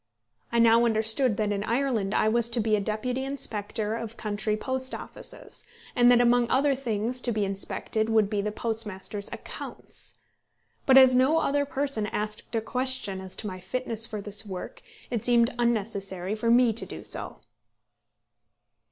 I now understood that in Ireland I was to be a deputy inspector of country post offices, and that among other things to be inspected would be the postmasters' accounts! But as no other person asked a question as to my fitness for this work, it seemed unnecessary for me to do so.